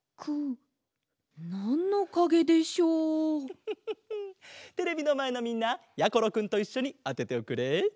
フフフフテレビのまえのみんなやころくんといっしょにあてておくれ。